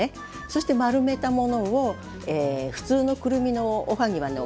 そして丸めたものを普通のくるみのおはぎはね